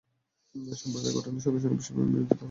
সম্প্রদায়-গঠনের সঙ্গে সঙ্গে বিশ্বপ্রেমের বিরোধিতা করা হয়।